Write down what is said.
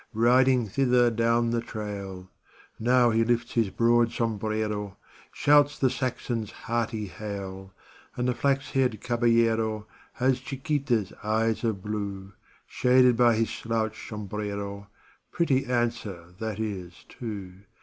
Riding thither down the trail â Now he lifts his broad sombrero, Shouts the Saxon's hearty hail, And the flax haired caballero Has Chiquita 's eyes of blue, Shaded by his slouch sombrero Pretty answer that is, too.